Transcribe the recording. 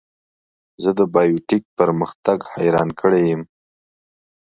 زه د بایو ټیک پرمختګ حیران کړی یم.